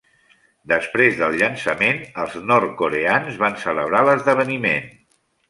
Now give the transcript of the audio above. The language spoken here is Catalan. Després del llançament, els nord-coreans van celebrar l'esdeveniment.